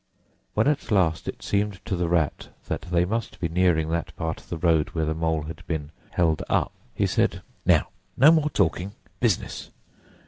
When at last it seemed to the Rat that they must be nearing that part of the road where the Mole had been "held up," he said, "Now, no more talking. Business!